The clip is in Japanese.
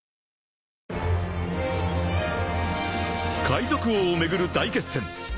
［海賊王を巡る大決戦］